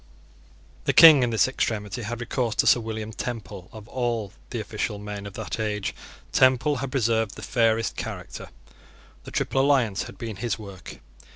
The King in this extremity had recourse to Sir William Temple. Of all the official men of that age Temple had preserved the fairest character. The Triple Alliance had been his work.